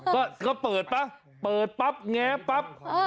ก็เปิดป่ะเปิดปั๊บแง้ปั๊บ